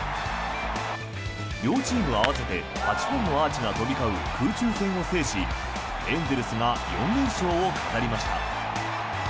両チーム合わせて８本のアーチが飛び交う空中戦を制しエンゼルスが４連勝を飾りました。